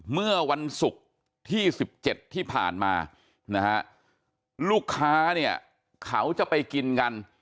เมื่อวันศุกร์ที่๑๗ที่ผ่านมานะฮะลูกค้าเนี่ยเขาจะไปกินกัน